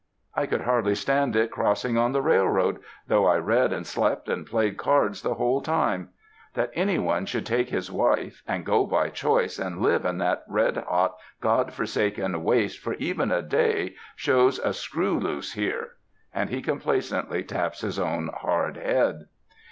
I could hardly stand it crossing on the railroad, though I read and slept and played cards the whole time. That anybody should take his wife, and go by choice and live in that red hot, God forsaken waste for even a day, shows a screw loose here," and he complacently taps his own hard head.